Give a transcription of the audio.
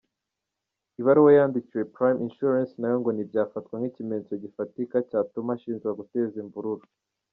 Ibaruwa yandikiwe Prime insurance nayo ngo ntibyafatwa nk’ikimenyetso gifatika cyatuma ashinjwa guteza imvururu.